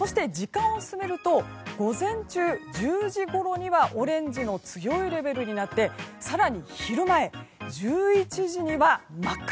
そして午前中の１０時ごろにはオレンジの強いレベルになって更に、昼前１１時には真っ赤。